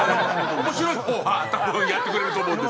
面白い方は多分やってくれると思うんです。